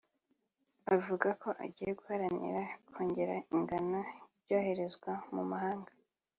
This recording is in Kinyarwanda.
avuga ko agiye guharanira kongera ingano y’ibyoherezwa mu mahanga